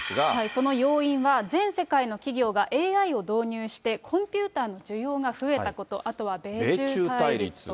その要因は、全世界の企業がＡＩを導入して、コンピューターの需要が増えたこと、あとは米中対立と。